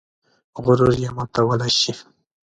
غرور یې ماتولی شي.